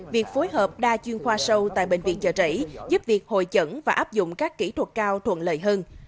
việc phối hợp đa chuyên khoa sâu tại bệnh viện trợ rẫy giúp việc hội chẩn và áp dụng các kỹ thuật cao thuận lợi hơn